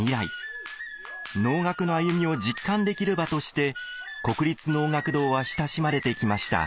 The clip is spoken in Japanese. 能楽の歩みを実感できる場として国立能楽堂は親しまれてきました。